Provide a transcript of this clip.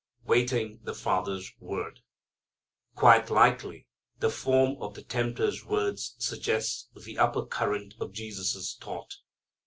Waiting the Father's Word. Quite likely the form of the tempter's words suggests the upper current of Jesus' thought.